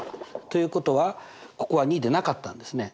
ということはここは２でなかったんですね。